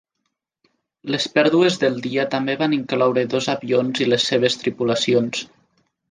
Les pèrdues del dia també van incloure dos avions i les seves tripulacions.